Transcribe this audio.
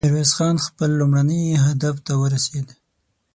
ميرويس خان خپل لومړني هدف ته ورسېد.